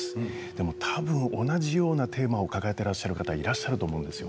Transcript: でもたぶん同じようなテーマを抱えていらっしゃる方がいらっしゃると思います。